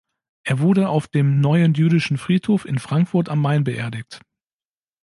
Er wurde auf dem Neuen Jüdischen Friedhof in Frankfurt am Main beerdigt.